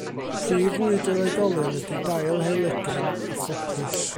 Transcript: Prif fwyd yr oedolyn ydy dail helygen a phoplys.